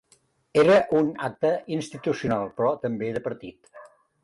Era un acte institucional, però també de partit.